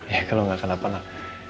ya kalau gak kenapa gak